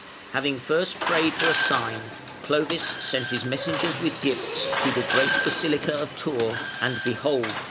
Having first prayed for a sign, Clovis sent his messengers with gifts to the great basilica of Tours, and behold!